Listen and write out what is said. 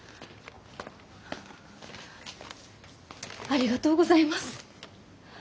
ありがとうございます。